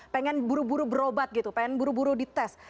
pengen buru buru berobat gitu pengen buru buru dites